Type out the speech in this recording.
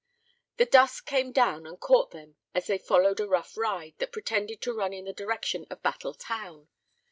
The dusk came down and caught them as they followed a rough "ride" that pretended to run in the direction of Battle Town.